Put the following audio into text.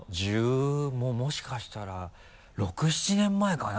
もしかしたら１６１７年前かな？